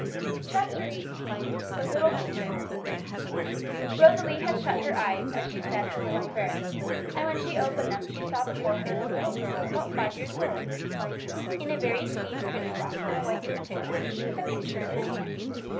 CHAPTER XVIII THE LITTLE PITCHER Rosalie had shut her eyes as she said her little prayer; and when she opened them she saw before her a little girl about five years old, in a very clean print frock and white pinafore, with a pitcher in her hand.